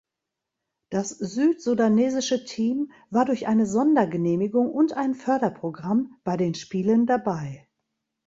Das südsudanesische Team war durch eine Sondergenehmigung und ein Förderprogramm bei den Spielen dabei.